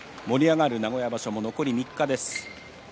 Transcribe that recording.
盛り上がる名古屋場所も残り３日です。